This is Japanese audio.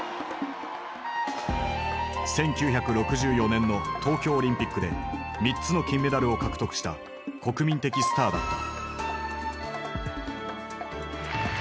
１９６４年の東京オリンピックで３つの金メダルを獲得した国民的スターだった。